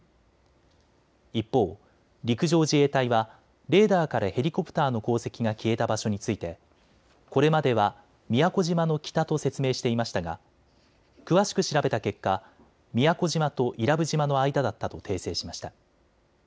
一方、陸上自衛隊はレーダーからヘリコプターの航跡が消えた場所についてこれまでは宮古島の北と説明していましたが詳しく調べた結果、宮古島と伊良部島の間だったと訂正しました。